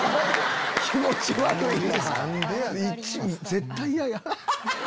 絶対嫌や。